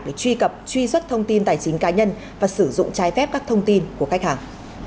để truy cập truy xuất thông tin tài chính cá nhân và sử dụng trái phép các thông tin của khách hàng